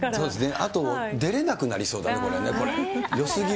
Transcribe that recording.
あと出れなくなりそうだね、これね。